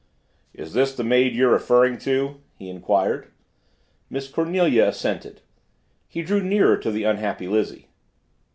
"This is the maid you referred to?" he inquired. Miss Cornelia assented. He drew nearer to the unhappy Lizzie.